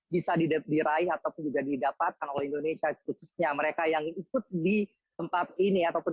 bisa diraih ataupun juga didapatkan oleh indonesia khususnya mereka yang ikut di tempat ini ataupun